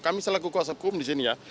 kami selaku kuasa hukum disini ya